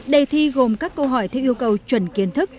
đề thi gồm các câu hỏi theo yêu cầu chuẩn kiến thức